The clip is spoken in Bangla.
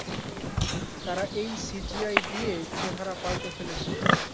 তারা এটা সিজিআই দিয়ে চেহারা পাল্টে ফেলেছে।